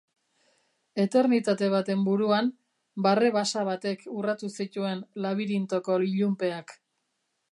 Eternitate baten buruan, barre basa batek urratu zituen labirintoko ilunpeak.